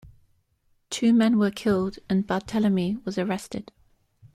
Two men were killed, and Barthelemy was arrested.